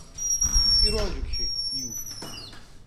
პირველ რიგში, იუ.